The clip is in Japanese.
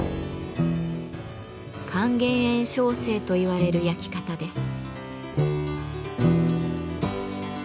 「還元焔焼成」といわれる焼き方です。